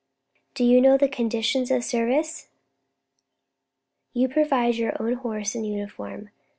"Do you know the conditions of service? You provide your own horse and uniform.